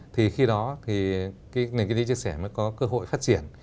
thì khi đó thì cái nền kinh chia sẻ mới có cơ hội phát triển